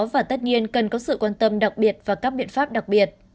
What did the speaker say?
và tất nhiên cần có sự quan tâm đặc biệt và các biện pháp đặc biệt